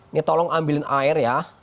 ini tolong ambilin air ya